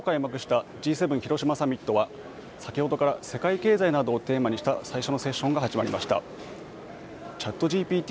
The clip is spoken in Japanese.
きょう開幕したＧ７広島サミットは先ほどから、世界経済などをテーマにした最初のセッションが始まりました。